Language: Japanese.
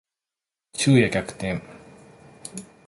昼夜逆転